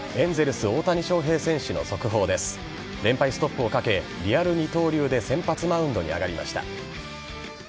ストップをかけリアル二刀流で先発マウンドに上がりました。